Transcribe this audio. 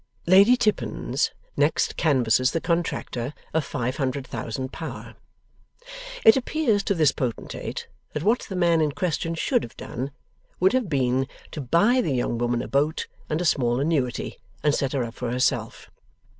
') Lady Tippins next canvasses the Contractor, of five hundred thousand power. It appears to this potentate, that what the man in question should have done, would have been, to buy the young woman a boat and a small annuity, and set her up for herself.